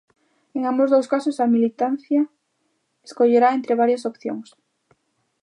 En ambos os dous casos a militancia escollerá entre varias opcións.